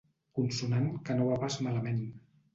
Consonant que no va pas malament.